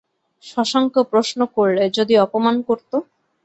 শশাঙ্ক প্রশ্ন করলে, যদি অপমান করত?